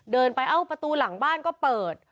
เดินไปเอ้าประตูหลังบ้านก็เปิด